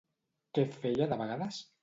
Què feia de vegades?